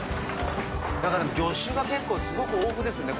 魚種が結構すごく豊富ですね